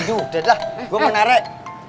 udah dah gua mau narik